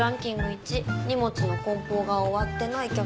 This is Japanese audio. １位荷物の梱包が終わってない客。